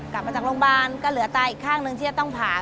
กลับมาจากโรงพยาบาลก็เหลือไตอีกข้างหนึ่งที่จะต้องผ่า